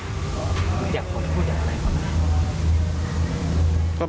อ๋ออยากขอพูดอย่างไรของเขานะ